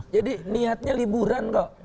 jadi niatnya liburan kok